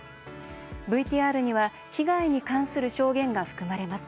ＶＴＲには被害に関する証言が含まれます。